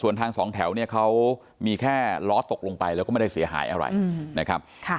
ส่วนทางสองแถวเนี่ยเขามีแค่ล้อตกลงไปแล้วก็ไม่ได้เสียหายอะไรนะครับ